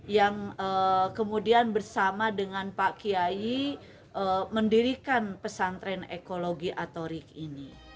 yang kemudian bersama dengan pak kiai mendirikan pesantren ekologi atorik ini